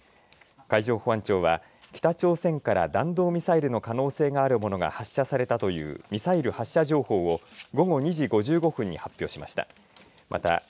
海上保安庁は北朝鮮から弾道ミサイルの可能性があるものが発射されたというミサイル発射情報を午後２時５５分に発表しました。